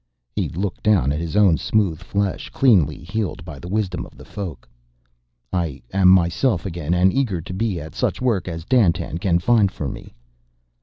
He looked down at his own smooth flesh, cleanly healed by the wisdom of the Folk. "I am myself again and eager to be at such work as Dandtan can find for me...."